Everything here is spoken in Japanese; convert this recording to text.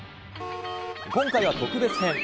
今回は特別編。